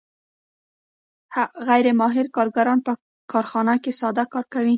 غیر ماهر کارګران په کارخانه کې ساده کار کوي